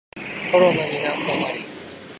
コロナになったナリ